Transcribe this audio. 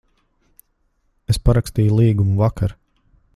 Es parakstīju līgumu vakar.